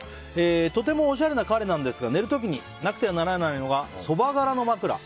とてもおしゃれな彼なんですが寝る時になくてはならないのがそば殻の枕。